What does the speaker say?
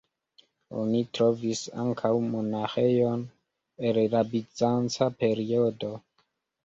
Oni trovis ankaŭ monaĥejon el la bizanca periodo.